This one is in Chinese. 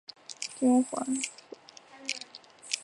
丁螺环酮用作血清素部分激动剂。